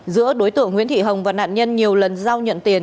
giữa đối tượng nguyễn thị hồng và nạn nhân nhiều lần giao nhận tiền